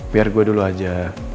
biar saya dulu saja